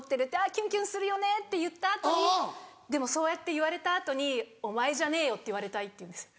キュンキュンするよねって言った後にでもそうやって言われた後に「お前じゃねえよ」って言われたいって言うんです。